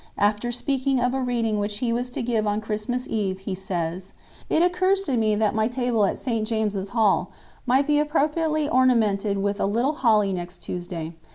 After speaking of a reading which he was to give on Christmas Eve, he says: "It occurs to me that my table at St. James' Hall might be appropriately ornamented with a little holly next Tuesday.